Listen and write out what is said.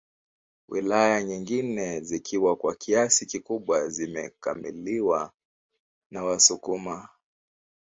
Wilaya nyingine zikiwa kwa kiasi kikubwa zimekaliwa na wasukuma